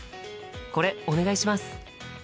これお願いします！